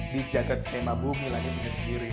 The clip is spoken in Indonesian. di jagad sinema bumi langit ini sendiri